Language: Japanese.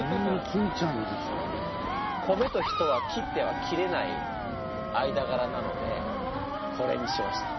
米と人は切っては切れないあいだがらなのでこれにしました。